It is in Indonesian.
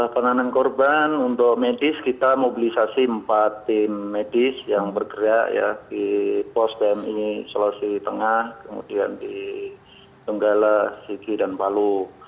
penanganan korban untuk medis kita mobilisasi empat tim medis yang bergerak ya di pos pmi sulawesi tengah kemudian di tunggala sigi dan palu